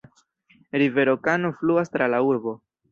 Rivero Kano fluas tra la urbo.